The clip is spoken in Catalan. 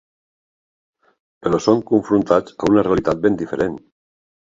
Però són confrontats a una realitat ben diferent.